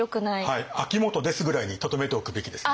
はい「秋元です」ぐらいにとどめておくべきですね。